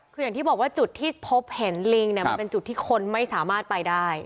คืออย่างที่บอกว่าจุดที่พบเห็นลิงเนี่ยมันเป็นจุดที่คนไม่สามารถไปได้